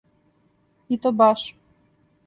И то баш.